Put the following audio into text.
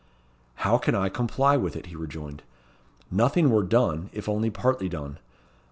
"How can I comply with it?" he rejoined. "Nothing were done, if only partly done.